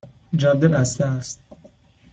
جاده بسته است